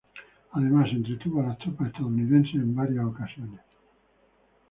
Además, entretuvo a las tropas estadounidenses en varias ocasiones.